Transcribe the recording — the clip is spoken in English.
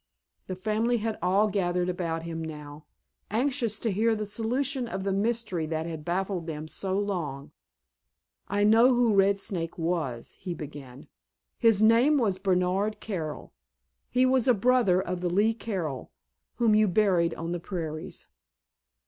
The family had all gathered about him now, anxious to hear the solution of the mystery that had baffled them so long. "I know who 'Red Snake' was," he began; "his name was Bernard Carroll. He was a brother of the Lee Carroll whom you buried on the prairies."